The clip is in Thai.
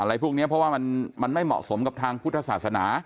อะไรพวกนี้เพราะว่ามันไม่เหมาะสมกับทางพุทธศาสนา